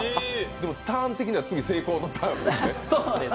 でもターン的には次、成功のターンですね。